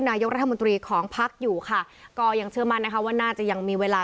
นายกรัฐมนตรีของพักอยู่ค่ะก็ยังเชื่อมั่นนะคะว่าน่าจะยังมีเวลา